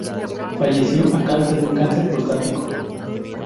Falleció a causa de un cáncer prostático.